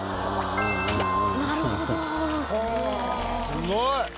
すごい。